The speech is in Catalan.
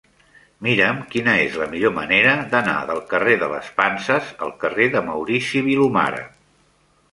Mira'm quina és la millor manera d'anar del carrer de les Panses al carrer de Maurici Vilomara.